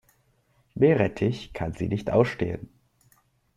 Meerrettich kann sie nicht ausstehen.